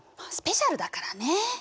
スペシャルだからね。